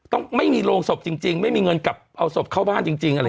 ต้องไม่มีโรงศพจริงไม่มีเงินกลับเอาศพเข้าบ้านจริงอะไรอย่างนี้